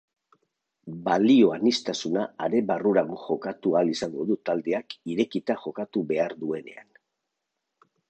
Balioaniztuna, are barrurago jokatu ahal izango du taldeak irekita jokatu behar duenean.